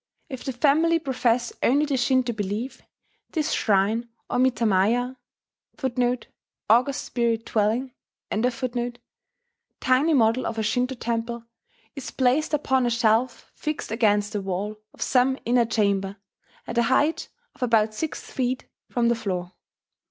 If the family profess only the Shinto belief, this shrine, or mitamaya* ("august spirit dwelling"), tiny model of a Shinto temple, is placed upon a shelf fixed against the wall of some inner chamber, at a height of about six feet from the floor.